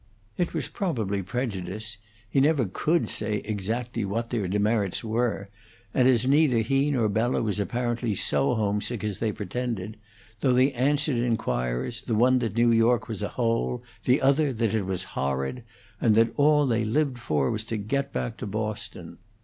It was probably prejudice; he never could say exactly what their demerits were, and neither he nor Bella was apparently so homesick as they pretended, though they answered inquirers, the one that New York was a hole, and the other that it was horrid, and that all they lived for was to get back to Boston.